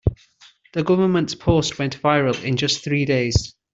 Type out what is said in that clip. The government's post went viral in just three days.